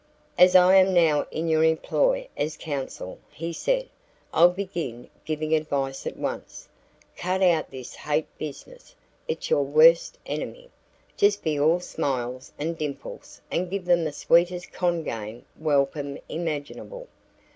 "As I am now in your employ as counsel," he said, "I'll begin giving advice at once. Cut out this hate business. It's your worst enemy. Just be all smiles and dimples and give them the sweetest con game welcome imaginable.